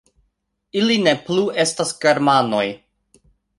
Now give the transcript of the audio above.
Ili ne plu estas germanoj